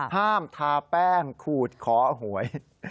ทาแป้งขูดขอหวย